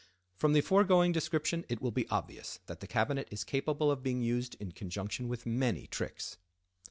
From the foregoing description it will be obvious that the cabinet is capable of being used in conjunction with many tricks.